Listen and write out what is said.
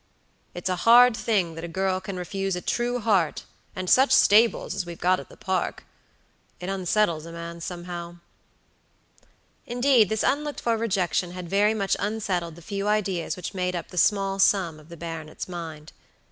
It's a hard thing that a girl can refuse a true heart and such stables as we've got at the park. It unsettles a man somehow." Indeed, this unlooked for rejection had very much unsettled the few ideas which made up the small sum of the baronet's mind.